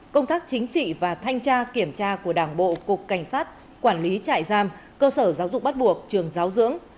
công tác chính trị và thanh tra kiểm tra của đảng bộ cục cảnh sát quản lý trại giam cơ sở giáo dục bắt buộc trường giáo dưỡng